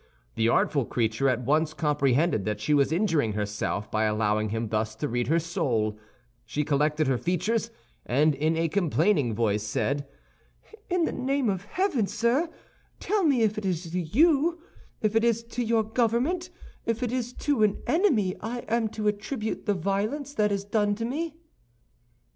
The artful creature at once comprehended that she was injuring herself by allowing him thus to read her soul; she collected her features, and in a complaining voice said: "In the name of heaven, sir, tell me if it is to you, if it is to your government, if it is to an enemy I am to attribute the violence that is done me?"